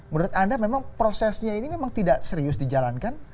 menurut anda memang prosesnya ini memang tidak serius dijalankan